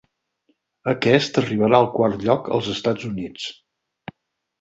Aquest arribà al quart lloc als Estats Units.